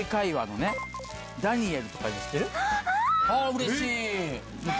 うれしい！